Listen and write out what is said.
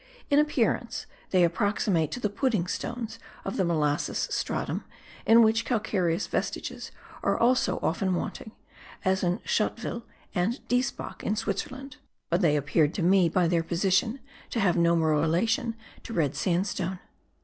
In appearance they approximate to the pudding stones of the molassus stratum, in which calcareous vestiges are also often wanting, as at Schottwyl and Diesbach in Switzerland; but they appeared to me by their position to have more relation to red sandstone.